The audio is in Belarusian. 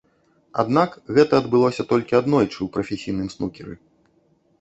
Аднак, гэта адбылося толькі аднойчы ў прафесійным снукеры.